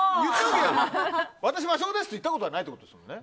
私魔性ですって言ったことはないってことですよね。